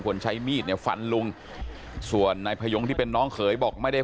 ใช้มีดเนี่ยฟันลุงส่วนนายพยงที่เป็นน้องเขยบอกไม่ได้